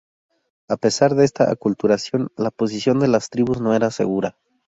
A pesar de esta aculturación, la posición de las tribus no era segura.